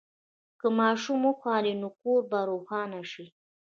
که ماشوم وخاندي، نو کور به روښانه شي.